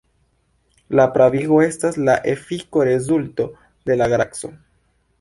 La pravigo estas la efiko-rezulto de la graco.